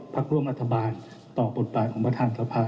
พระคนุทธรรมบรรดาฐบาลต่อบทบาทของประธานสภา